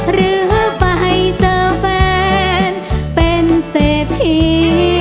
หรือไปเจอแฟนเป็นเศรษฐี